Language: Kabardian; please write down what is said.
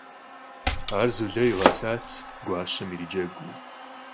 Ar Zule yiğesat guaşem yiriceguu.